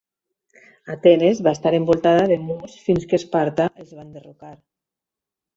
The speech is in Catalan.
Atenes va estar envoltada de murs fins que Esparta els va enderrocar.